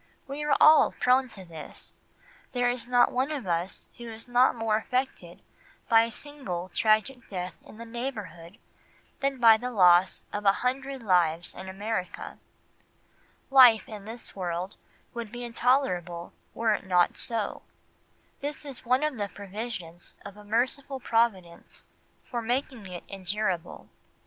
We are all prone to this, there is not one of us who is not more affected by a single tragic death in the neighbourhood than by the loss of a hundred lives in America; life in this world would be intolerable were it not so, this is one of the provisions of a merciful providence for making it endurable.